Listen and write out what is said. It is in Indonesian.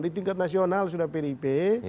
di tingkat nasional sudah pdip